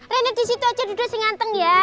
reina disitu aja duduk singanteng ya